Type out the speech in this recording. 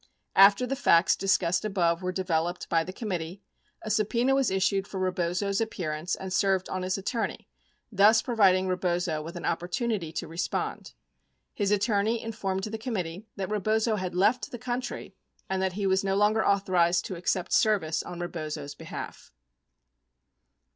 44 After the facts discussed above were developed by the committee, a subpena was issued for Rebozo's appearance and served on his attor ney, thus providing Rebozo with an opportunity to respond. His attor ney informed the committee that Rebozo had left the country and that he was no longer authorized to accept service on Rebozo's behalf.